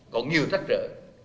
còn nhiều thách trợ